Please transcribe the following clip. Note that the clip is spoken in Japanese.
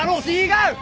違う！